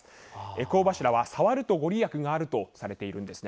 回向柱は触ると御利益があるとされているんです。